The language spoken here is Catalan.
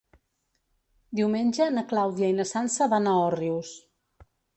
Diumenge na Clàudia i na Sança van a Òrrius.